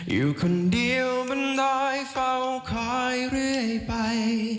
อยู่คนเดียวมันน้อยเฝ้าคอยเรื่อยไป